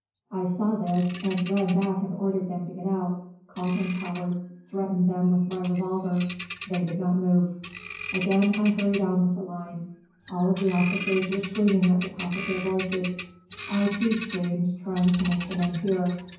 I saw this, and ran back and ordered them to get out, called them cowards, threatened them with my revolver; they did not move. Again I hurried on with the line. All of the officers were screaming at the top of their voices; I, too, screamed, trying to make the men hear.